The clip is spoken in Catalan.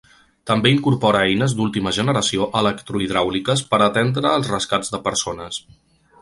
També incorpora eines d’última generació electrohidràuliques per a atendre els rescats de persones.